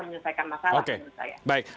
menyelesaikan masalah menurut saya